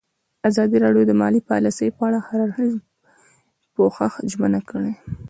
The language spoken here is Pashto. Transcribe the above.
ازادي راډیو د مالي پالیسي په اړه د هر اړخیز پوښښ ژمنه کړې.